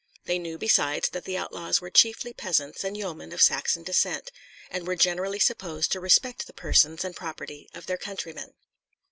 They knew, besides, that the outlaws were chiefly peasants and yeomen of Saxon descent, and were generally supposed to respect the persons and property of their countrymen.